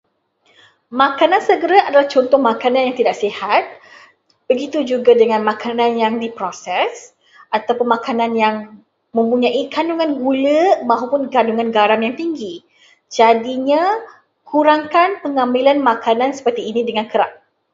Makanan segera adalah contoh makanan yang tidak sihat. Begitu juga makanan yang diproses ataupun makanan yang mengandungi kandungan gula mahupun kandungan garam yang tinggi. Jadinya, kurangkan pengambilan makanan seperti ini dengan kerap.